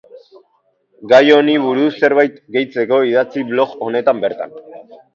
Gai honi buruz zerbait gehitzeko idatzi blog honetan bertan.